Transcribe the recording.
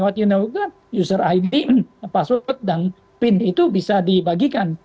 what you new york itu kan user id password dan pin itu bisa dibagikan